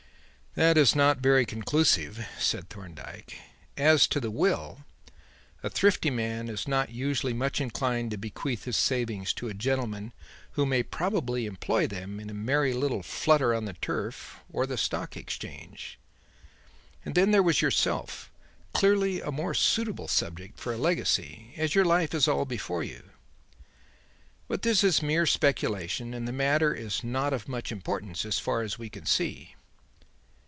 "That is not very conclusive," said Thorndyke. "As to the will, a thrifty man is not usually much inclined to bequeath his savings to a gentleman who may probably employ them in a merry little flutter on the turf or the Stock Exchange. And then there was yourself; clearly a more suitable subject for a legacy, as your life is all before you. But this is mere speculation and the matter is not of much importance, as far as we can see.